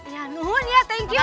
ya nuhun ya thank you